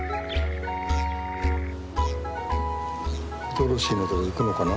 ドロシーのところ行くのかな？